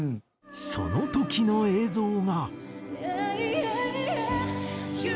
その時の映像が。